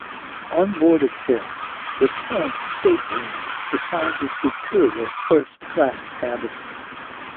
On board a ship, the term "state room" defines a superior first-class cabin.